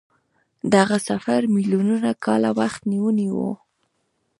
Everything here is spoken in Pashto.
دغه سفر میلیونونه کاله وخت ونیو.